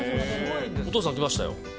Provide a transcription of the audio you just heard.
お父さん、来ましたよ。